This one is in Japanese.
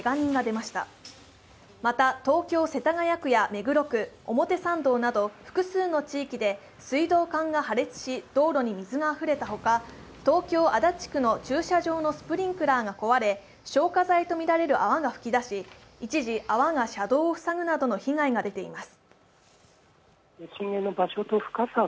また、東京・世田谷区や目黒区、表参道など複数の地域で水道管が破裂し道路に水があふれたほか、東京・足立区の駐車場のスプリンクラーが壊れ、消火剤とみられる泡が噴き出し一時泡が車道をふさぐなどの被害が出ています。